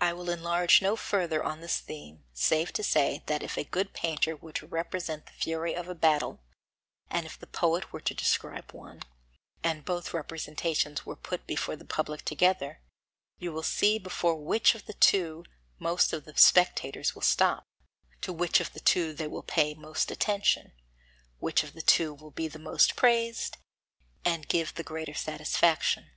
I will enlarge no further on this theme save to say that if a good painter were to represent the fury of a battle, and if the poet were to describe one, and both representations were put before the public together, you will see before which of the two most of the spectators will stop, to which of the two they will pay most attention, which of the two will be the most praised and give the greater satisfaction.